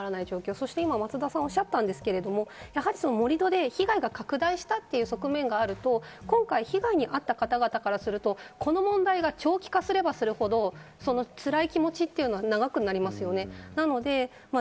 そして松田さんがおっしゃったんですが盛り土で被害が拡大したという側面があると被害に遭った方からすると、この問題が長期化すればするほどつらい気持ちが長くなりますよね。